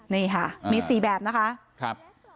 นี่ค่ะมี๔แบบนะคะครับ